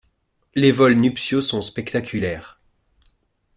Les vols nuptiaux sont spectaculaires.